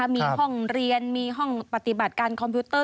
มีห้องเรียนมีห้องปฏิบัติการคอมพิวเตอร์